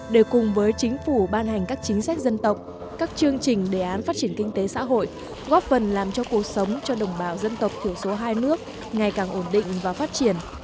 để cùng với chính phủ ban hành các chính sách dân tộc các chương trình đề án phát triển kinh tế xã hội góp phần làm cho cuộc sống cho đồng bào dân tộc thiểu số hai nước ngày càng ổn định và phát triển